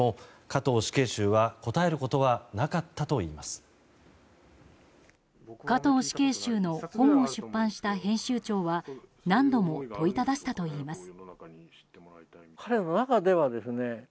加藤死刑囚の本を出版した編集長は何度も問いただしたといいます。